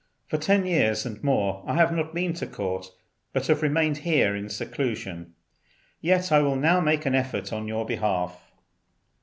For ten years and more I have not been to Court, but have remained here in seclusion; yet I will now make an effort on your behalf."